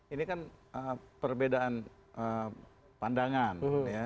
ini kan perbedaan pandangan